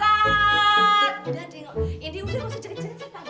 eh udah deh ini udah gak usah ceritain saya kagil